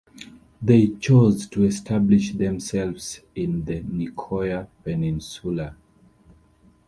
They chose to establish themselves in the Nicoya Peninsula.